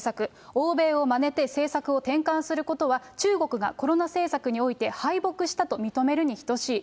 欧米をまねて、政策を転換することは、中国がコロナ政策において敗北したと認めるに等しい。